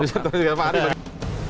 bisa dipertanggung jawab